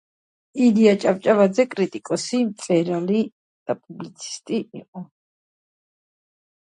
პირველი სამი ტომი აღწერს ქალთა უფლებების მოძრაობის დასაწყისს, მათ შორისაა სტოუნის აქტიურობის წლები.